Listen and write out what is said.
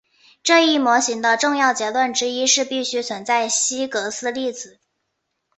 这一模型的重要结论之一是必须存在希格斯粒子。